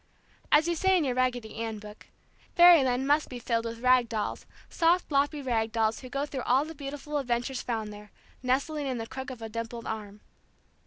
As you say in your Raggedy Ann book, "Fairyland must be filled with rag dolls, soft loppy rag dolls who go through all the beautiful adventures found there, nestling in the crook of a dimpled arm."